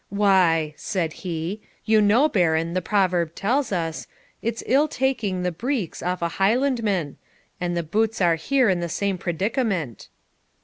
'Why,' said he, 'you know, Baron, the proverb tells us, "It's ill taking the breeks off a Highlandman," and the boots are here in the same predicament.'